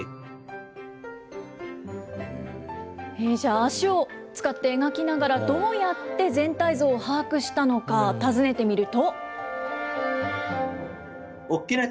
足を使って描きながら、どうやって全体像を把握したのか尋ねてみると。